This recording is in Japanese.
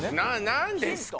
何ですか？